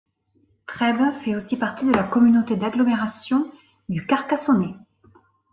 Trèbes fait aussi partie de la communauté d'agglomération du Carcassonnais.